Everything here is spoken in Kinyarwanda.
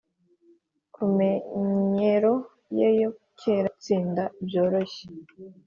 kumenyero ye ya kera yo gutsinda byoroshye.